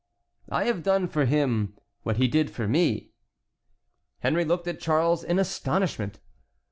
"I have done for him what he did for me." Henry looked at Charles in astonishment.